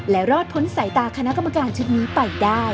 และรอดพ้นสายตาคณะกรรมการชุดนี้ไปได้